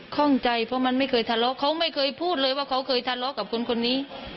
ข้องใจเพราะมันไม่เคยทะเลาะเขาไม่เคยพูดเลยว่าเขาเคยทะเลาะกับคนคนนี้